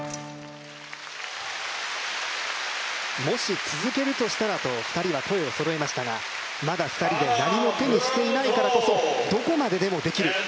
もし続けるとしたらと２人は声をそろえましたが、まだ２人で何も手にしていないからこそ、どこまででもできる。